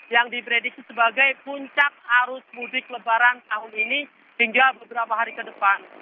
yang diprediksi sebagai puncak arus mudik lebaran tahun ini hingga beberapa hari ke depan